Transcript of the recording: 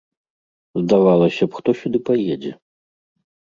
Здавалася б, хто сюды паедзе?